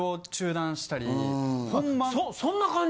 そそんな感じ？